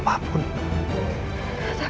tidak ada unsur apapun